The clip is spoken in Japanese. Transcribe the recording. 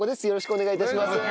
よろしくお願いします。